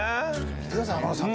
見てください天野さん